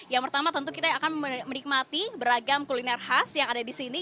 yang pertama tentu kita akan menikmati beragam kuliner khas yang ada di sini